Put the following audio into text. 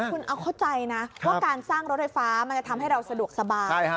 คุณเอาเข้าใจนะว่าการสร้างรถไฟฟ้ามันจะทำให้เราสะดวกสบาย